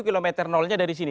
kilometer nolnya dari sini